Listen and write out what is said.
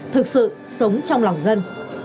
thực sự sống trong lòng dân